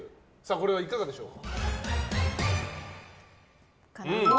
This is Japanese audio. これはいかがでしょう。